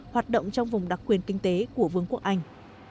hoạt động trong vùng đặc quyền kinh tế của vương quốc anh